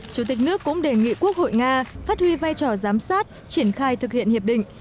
chủ tịch nước cũng đề nghị quốc hội nga phát huy vai trò giám sát triển khai thực hiện hiệp định